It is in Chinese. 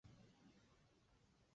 利乌克。